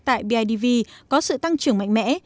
tại bidv có sự tăng trưởng mạnh mẽ